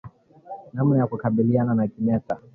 Namna ya kukabiliana na kimeta